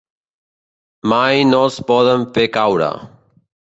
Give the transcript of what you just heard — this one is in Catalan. "Mai no els poden fer caure".